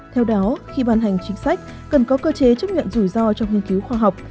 theo đó khi ban hành chính sách cần có cơ chế chấp nhận rủi ro trong nghiên cứu khoa học